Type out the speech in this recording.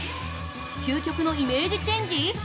究極のイメージチェンジ！？